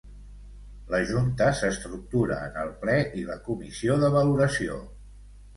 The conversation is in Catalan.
La Junta s'estructura en el Ple i la Comissió de Valoració.